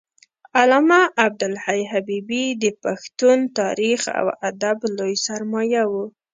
علامه عبدالحی حبیبي د پښتون تاریخ او ادب لوی سرمایه و